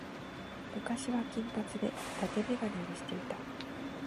昔は金髪で伊達眼鏡をしていた。